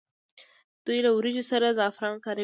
دوی له وریجو سره زعفران کاروي.